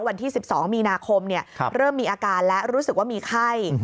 วันที่๑๒มีนาคมเริ่มมีอาการและรู้สึกว่ามีไข้